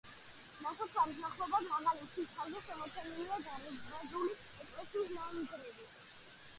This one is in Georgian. ნასოფლარის მახლობლად, მაღალი მთის თავზე, შემორჩენილია დარბაზული ეკლესიის ნანგრევი.